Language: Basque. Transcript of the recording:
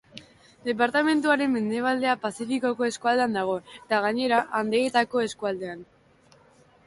Departamenduaren mendebaldea Pazifikoko eskualdean dago eta gainerakoa Andeetako eskualdean.